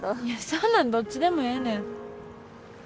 いやそんなんどっちでもええねん。